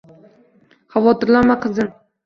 Xavotirlanma, qizim